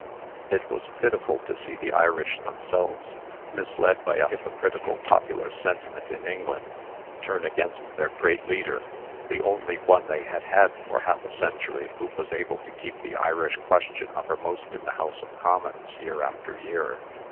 It was pitiful to see the Irish themselves, misled by a hypocritical popular sentiment in England, turn against their great leader, the only one they had had for half a century who was able to keep the Irish question uppermost in the House of Commons year after year.